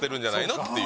っていう。